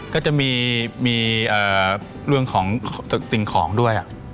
ก็จะมีเรื่องของสิ่งของด้วย